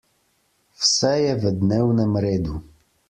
Vse je v dnevnem redu.